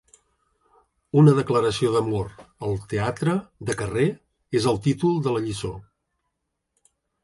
Una declaració d’amor al teatre de carrer és el títol de la lliçó.